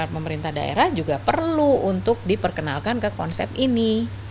pemerintah daerah juga perlu untuk diperkenalkan ke konsep ini